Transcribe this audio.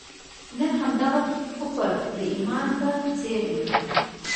نن همدغه کفر د ایمان په څېر دی.